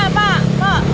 atau apa ya pak